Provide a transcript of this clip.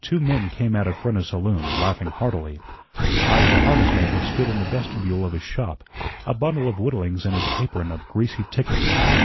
Two men came out of Frenna's saloon, laughing heartily. Heise the harness maker stood in the vestibule of his shop, a bundle of whittlings in his apron of greasy ticking.